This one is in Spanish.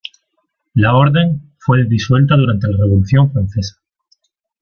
La orden fue disuelta durante la Revolución francesa.